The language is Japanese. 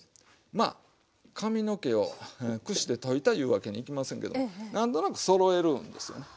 まあ髪の毛をくしでといたいうわけにいきませんけども何となくそろえるんですよね。